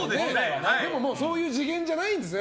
でももうそういう次元じゃないんですね。